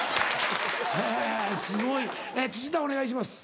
すごい土田お願いします。